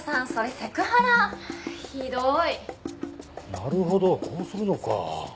なるほどこうするのか。